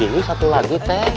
ini satu lagu teh